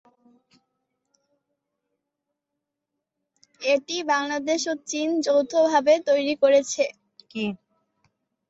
এটি বাংলাদেশ ও চীন যৌথ ভাবে তৈরি করেছে।